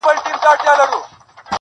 د وجود غړي د هېواد په هديره كي پراته,